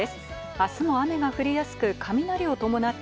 あすも雨が降りやすく、雷を伴っ